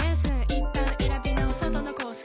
いったん選び直そうどのコース？